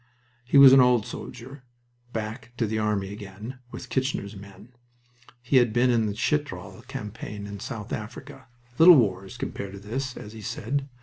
He was an old soldier, "back to the army again," with Kitchener's men. He had been in the Chitral campaign and South Africa "Little wars compared to this," as he said.